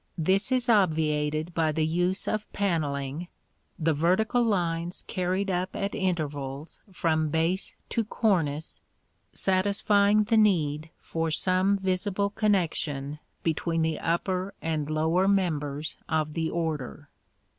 This is obviated by the use of panelling, the vertical lines carried up at intervals from base to cornice satisfying the need for some visible connection between the upper and lower members of the order.